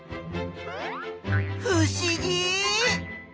ふしぎ！